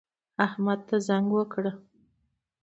احمد ته زنګ وکړه